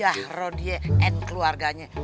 sama haji rodie dan keluarganya